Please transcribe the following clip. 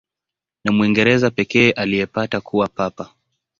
Ni Mwingereza pekee aliyepata kuwa Papa.